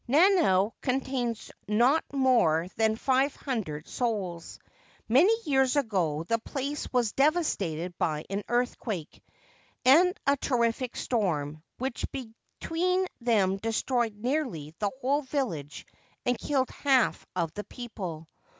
Nanao contains not more than five hundred souls. Many years ago the place was devastated by an earthquake and a terrific storm, which between them destroyed nearly the whole village and killed half of the people.